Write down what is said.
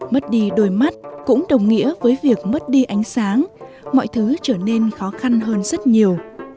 mất đi đôi mắt cũng đồng nghĩa với việc mất đi ánh sáng mọi thứ trở nên khó khăn hơn rất nhiều